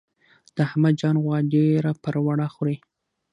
د احمد جان غوا ډیره پروړه خوري.